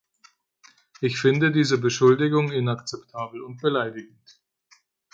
Ich finde diese Beschuldigung inakzeptabel und beleidigend.